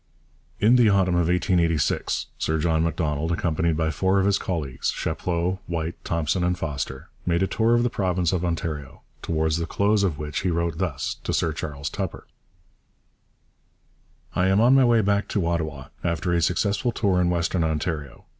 In the autumn of 1886 Sir John Macdonald, accompanied by four of his colleagues Chapleau, White, Thompson, and Foster made a tour of the province of Ontario, towards the close of which he wrote thus to Sir Charles Tupper: I am on my way back to Ottawa after a successful tour in Western Ontario.